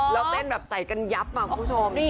แล้วเต้นแบบใส่กันยับมาคุณผู้ชม